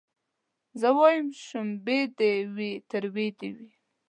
زه وايم شلومبې دي وي تروې دي وي